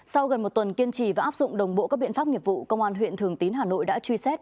sau gần một tuần kiên trì và áp dụng đồng bộ các biện pháp nghiệp vụ công an huyện thường tín hà nội đã truy xét